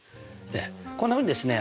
こんなふうにですね